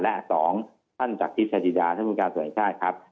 และสองท่านจากทิพย์ชายจิดาท่านผู้การส่วนแห่งชาติครับ